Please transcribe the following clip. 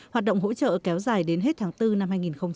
hoạt động hỗ trợ kéo dài đến hết tháng bốn năm hai nghìn hai mươi